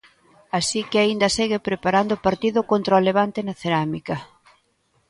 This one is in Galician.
Así que aínda segue preparando o partido contra o Levante na Cerámica.